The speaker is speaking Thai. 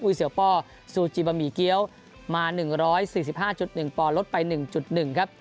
เสือป้อซูจิบะหมี่เกี้ยวมา๑๔๕๑ปอนลดไป๑๑ครับ